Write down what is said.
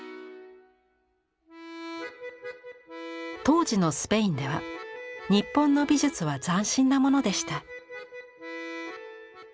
当時のスペインでは日本の美術は斬新なものでした。